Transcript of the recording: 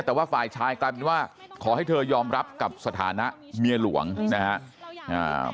แต่ว่าฝ่ายชายกลายเป็นว่าขอให้เธอยอมรับกับสถานะเมียหลวงนะครับ